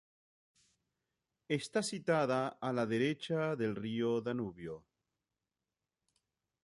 Está situada a la orilla derecha del río Danubio.